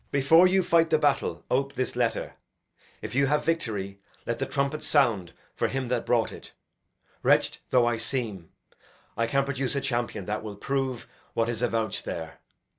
Before you fight the battle, ope this letter. If you have victory, let the trumpet sound For him that brought it. Wretched though I seem, I can produce a champion that will prove What is avouched there.